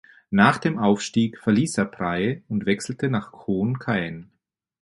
Nach dem Aufstieg verließ er Phrae und wechselte nach Khon Kaen.